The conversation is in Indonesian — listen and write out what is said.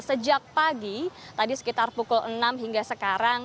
sejak pagi tadi sekitar pukul enam hingga sekarang